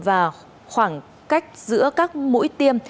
và khoảng cách giữa các mũi tiêm